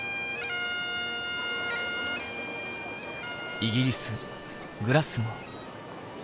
イギリス・グラスゴー。